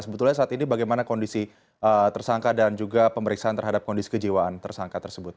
sebetulnya saat ini bagaimana kondisi tersangka dan juga pemeriksaan terhadap kondisi kejiwaan tersangka tersebut